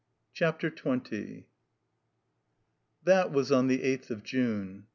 CHAPTER XX THAT was on the eighth of June.